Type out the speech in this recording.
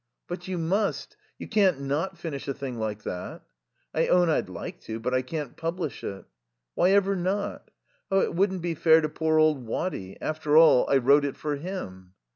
"But you must. You can't not finish a thing like that." "I own I'd like to. But I can't publish it." "Why ever not?" "Oh, it wouldn't be fair to poor old Waddy. After all, I wrote it for him."